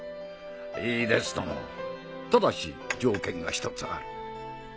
いいですともただし条件が１つある。